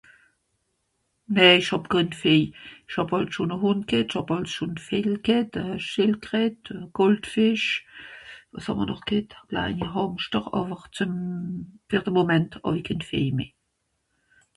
nää ìch hàb kànn Fee ìch hàb àls schòn e Hùnd g'hett ìch hàb àls schòn Vejel g'hett ö Schìldkret ùn Goldfìsch wàs hàmm'r noch g'hett klainer Hàmschter àwer zuem fer de Moment hàw i kenn Fee meh